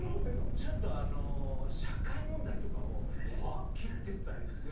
ちょっと社会問題とかを切っていったりとかする。